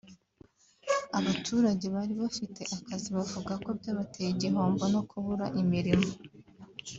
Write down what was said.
abaturage bari bafite akazi bavuga ko byabateye igihombo no kubura imirimo